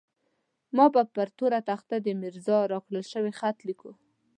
ما به پر توره تخته د ميرزا راکړل شوی خط ليکلو.